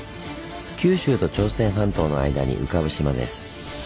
九州と朝鮮半島の間に浮かぶ島です。